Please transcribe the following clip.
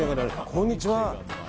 こんにちは。